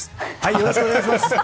よろしくお願いします。